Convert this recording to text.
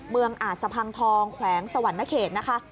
เมืองอาจสะพังทองแขวงสวรรค์นาเขตนะคะ